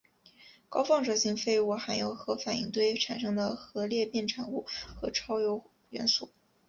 高放射性废物含有核反应堆产生的核裂变产物和超铀元素。